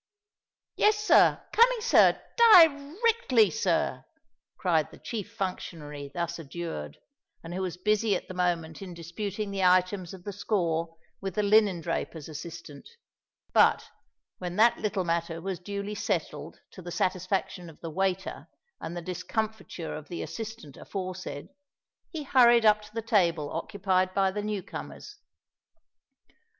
"Yes, sir—coming, sir—di rectly, sir," cried the chief functionary thus adjured, and who was busy at the moment in disputing the items of the score with the linen draper's assistant:—but, when that little matter was duly settled to the satisfaction of the waiter and the discomfiture of the assistant aforesaid, he hurried up to the table occupied by the new comers.